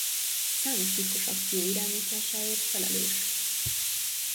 Számos titkos akció irányításáért felelős.